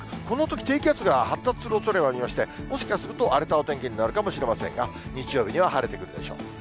このとき、低気圧が発達するおそれもありまして、もしかすると荒れたお天気になるかもしれませんが、日曜日には晴れてくるでしょう。